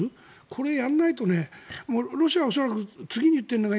これをやらないと、ロシアは恐らく次に言っているのが